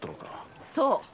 そう！